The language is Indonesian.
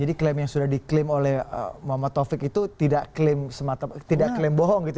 jadi klaim yang sudah diklaim oleh mama taufik itu tidak klaim semata tidak klaim bohong gitu ya